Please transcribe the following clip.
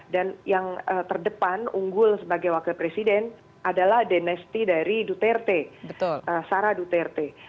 dan yang terdepan unggul sebagai wakil presiden adalah dinasti dari duterte sarah duterte